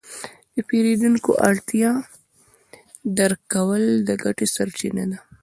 د پیرودونکي اړتیا درک کول د ګټې سرچینه ده.